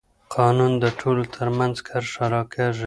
قانون د ټولو ترمنځ کرښه راکاږي